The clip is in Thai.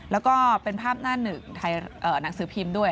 แล้วก็เป็นภาพหน้าหนึ่งหนังสือพิมพ์ด้วย